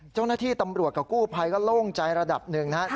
เจ้าหน้าที่ตำรวจกับกู้ภัยก็โล่งใจระดับหนึ่งนะครับ